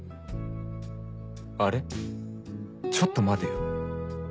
ちょっと待てよ